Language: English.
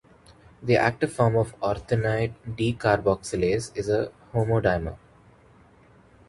The active form of ornithine decarboyxlase is a homodimer.